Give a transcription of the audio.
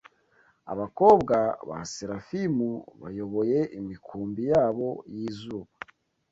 Abakobwa ba Serafimu bayoboye imikumbi yabo yizuba